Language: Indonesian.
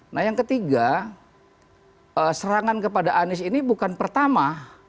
nah yang ketiga serangan kepada anies ini bukan pertama